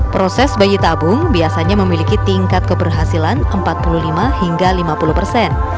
proses bayi tabung biasanya memiliki tingkat keberhasilan empat puluh lima hingga lima puluh persen